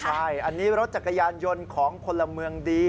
ใช่อันนี้รถจักรยานยนต์ของพลเมืองดี